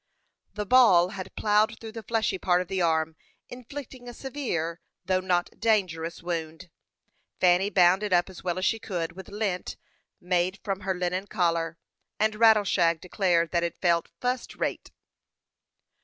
The ball had ploughed through the fleshy part of the arm, inflicting a severe, though not dangerous, wound. Fanny bound it up as well as she could, with lint made from her linen collar, and Rattleshag declared that it felt "fust rate."